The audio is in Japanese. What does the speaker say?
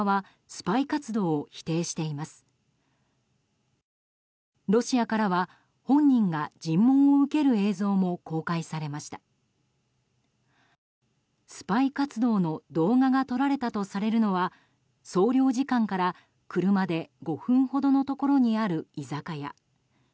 スパイ活動の動画が撮られたとされるのは総領事館から車で５分ほどのところにある居酒屋。